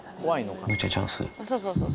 むぅちゃんチャンス。